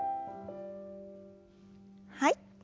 はい。